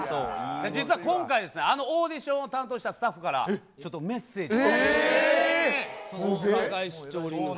実は今回、あのオーディションを担当したスタッフから、ちょっとメッセージが。